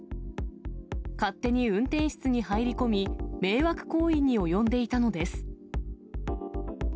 勝手に運転室に入り込み、迷惑行為に及んでいたのです。